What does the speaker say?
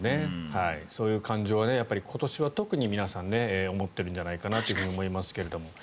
そういう感情は今年は特に皆さん思っているんじゃないかなと思いますけど。